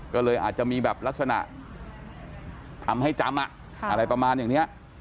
ก็เลยอาจจะมีแบบลักษณะทำให้จำอะไรประมาณอย่างนี้